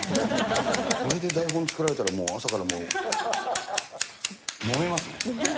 これで台本作られたら、朝からもうもめますね。